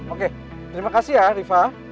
oke terima kasih ya rifa